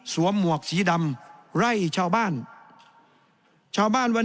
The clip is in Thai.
แสดงว่าความทุกข์มันไม่ได้ทุกข์เฉพาะชาวบ้านด้วยนะ